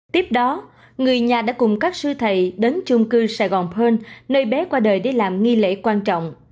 tiếp đó người nhà đã cùng các sư thầy đến chung cư sài gòn pearl nơi bé qua đời để làm nghi lễ quan trọng